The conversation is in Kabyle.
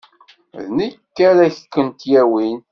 D nekk ara kent-yawin.